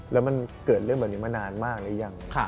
แล้วมันเกิดเรื่องแบบนี้มานานมากหรือยัง